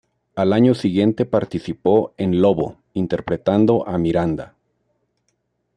Al año siguiente participó en "Lobo" interpretando a Miranda.